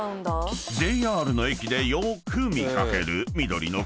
［ＪＲの駅でよく見掛ける］